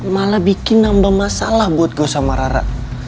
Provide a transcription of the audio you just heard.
malah bikin nambah masalah buat gue sama rara